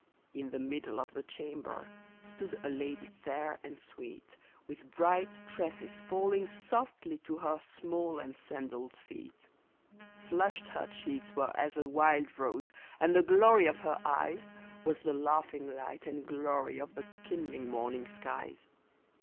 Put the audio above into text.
In the middle of the chamber stood a lady fair and sweet, With bright tresses falling softly to her small and sandalled feet. Flushed her cheeks were as a wild rose, and the glory of her eyes Was the laughing light and glory of the kindling morning skies.